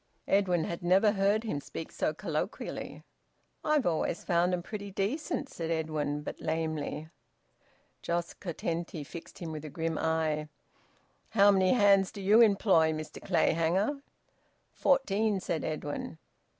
Edwin had never heard him speak so colloquially. "I've always found 'em pretty decent," said Edwin, but lamely. Jos Curtenty fixed him with a grim eye. "How many hands do you employ, Mr Clayhanger?" "Fourteen," said Edwin.